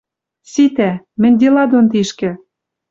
Ситӓ! Мӹнь дела дон тишкӹ.